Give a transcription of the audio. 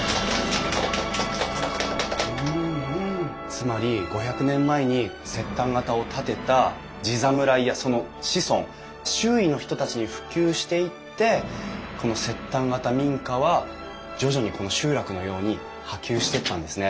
つまり５００年前に摂丹型を建てた地侍やその子孫周囲の人たちに普及していってこの摂丹型民家は徐々にこの集落のように波及していったんですね。